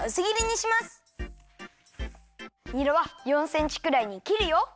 にらは４センチくらいにきるよ。